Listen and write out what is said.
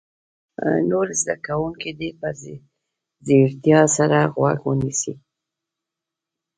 نور زده کوونکي دې په ځیرتیا سره غوږ ونیسي.